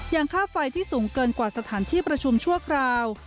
ค่าไฟที่สูงเกินกว่าสถานที่ประชุมชั่วคราว